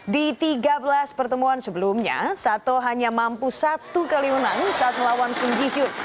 di tiga belas pertemuan sebelumnya sato hanya mampu satu kali menang saat melawan sung ji hyu